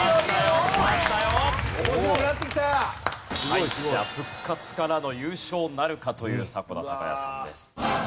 敗者復活からの優勝なるかという迫田孝也さんです。